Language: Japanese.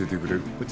こっち？